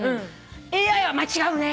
ＡＩは間違うね。